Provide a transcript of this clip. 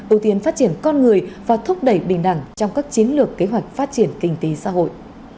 ưu tiên phát triển con người và thúc đẩy bình đẳng trong các chiến lược kế hoạch phát triển kinh tế xã hội